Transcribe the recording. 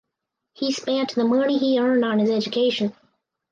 He spent the money he earned on his education.